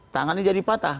tangannya jadi patah